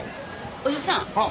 おじさん